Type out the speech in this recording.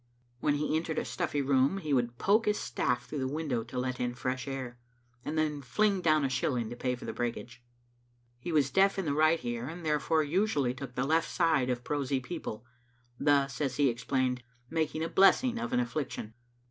When he entered a stufEy room he would poke his stafiE through the window to let in fresh air, and then fling down a shilling to pay for the break age. He was deaf in the right ear, and therefore usually took the left side of prosy people, thus, as he explained, making a blessing of an af&iction.